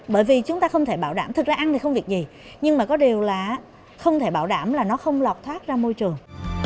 bởi vì chúng ta không thể bảo đảm thực ra ăn thì không việc gì nhưng mà có điều là không thể bảo đảm là nó không lọt thoát ra môi trường